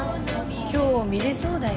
今日見れそうだよね。